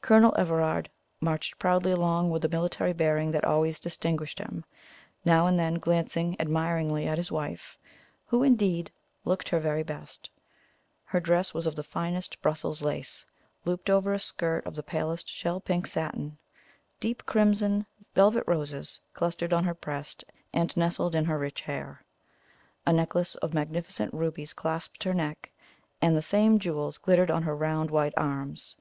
Colonel Everard marched proudly along with the military bearing that always distinguished him, now and then glancing admiringly at his wife, who, indeed, looked her very best. Her dress was of the finest Brussels lace, looped over a skirt of the palest shell pink satin; deep crimson velvet roses clustered on her breast, and nestled in her rich hair; a necklace of magnificent rubies clasped her neck, and the same jewels glittered on her round white arms.